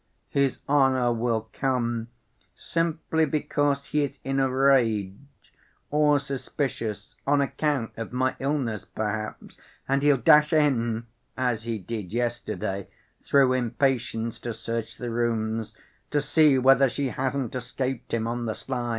His honor will come simply because he is in a rage or suspicious on account of my illness perhaps, and he'll dash in, as he did yesterday through impatience to search the rooms, to see whether she hasn't escaped him on the sly.